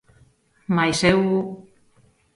Mais eu...